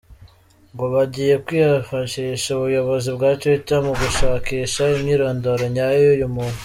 Ngo bagiye kwifashisha ubuyobozi bwa Twitter mu gushakisha imyirondoro nyayo y’uyu muntu.